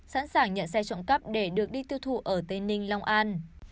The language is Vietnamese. sẵn sàng nhận xe trộm cắp để được đi tiêu thụ ở tây ninh long an